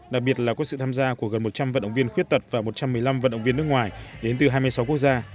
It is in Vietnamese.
đặc biệt là có sự tham gia của gần một trăm linh vận động viên khuyết tật và một trăm một mươi năm vận động viên nước ngoài đến từ hai mươi sáu quốc gia